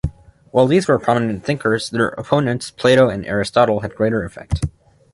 While these were prominent thinkers, their opponents-Plato and Aristotle-had greater effect.